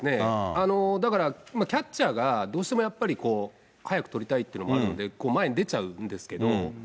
だから、キャッチャーが、どうしてもやっぱり、早く捕りたいっていうのもあるんで、前に出ちゃうんですけど。